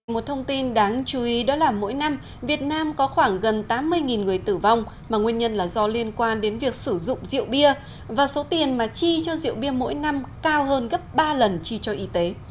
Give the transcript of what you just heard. một thông tin đáng chú ý đó là mỗi năm việt nam có khoảng gần tám mươi người tử vong mà nguyên nhân là do liên quan đến việc sử dụng rượu bia và số tiền mà chi cho rượu bia mỗi năm cao hơn gấp ba lần chi cho y tế